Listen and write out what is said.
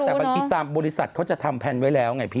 แต่บางทีตามบริษัทเขาจะทำแพลนไว้แล้วไงพี่